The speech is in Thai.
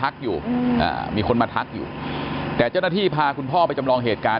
มีคนมาทักอยู่แต่เจ้าหน้าที่พาคุณพ่อไปจำลองเหตุการณ์